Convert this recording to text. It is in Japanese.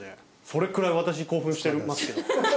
それくらい私興奮してますけど。